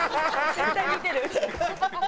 絶対見てる。